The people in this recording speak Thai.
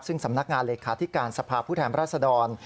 ซึ่งสำนักงานเลขาธิการสภาพผู้แทนรัศดร